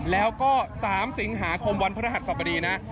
แล้วก็๓สิงหาคมวันพระรหัสสบดีนะ